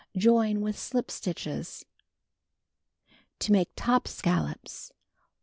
Join with slip stitches. To Make Top Scallops: 1.